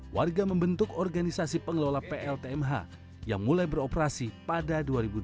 warga membentuk organisasi pengelola pltmh yang mulai beroperasi pada dua ribu dua puluh